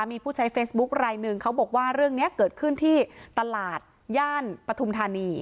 มีผู้ใช้เฟซบุ๊คไลนึงเขาบอกว่าเรื่องนี้เกิดขึ้นที่ตลาดย่านปฐุมธานี